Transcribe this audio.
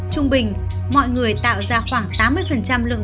trung bình mọi người tạo ra khoảng tám mươi lượng vitamin d